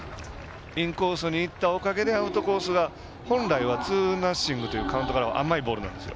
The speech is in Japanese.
インコースにいったおかげでアウトコースが本来はツーナッシングというカウントからは甘いボールなんですよ。